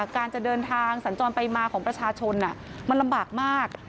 การจะเดินทางสัญจรไปมาของประชาชนมันลำบากมาก